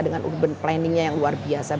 dengan urban planningnya yang luar biasa